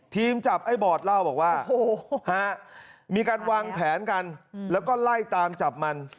จับไอ้บอดเล่าบอกว่ามีการวางแผนกันแล้วก็ไล่ตามจับมัน